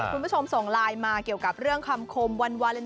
คุณผู้ชมส่งไลน์มาเกี่ยวกับเรื่องคำคมวันวาเลน